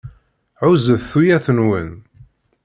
Huzzet tuyat-nwen.